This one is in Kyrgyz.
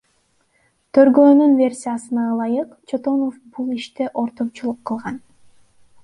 Тергөөнүн версиясына ылайык, Чотонов бул иште ортомчулук кылган.